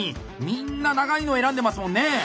みんな長いのを選んでますもんね！